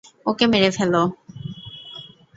ওকে মেরে ফেলো।